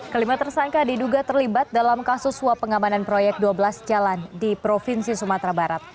kelima tersangka diduga terlibat dalam kasus suap pengamanan proyek dua belas jalan di provinsi sumatera barat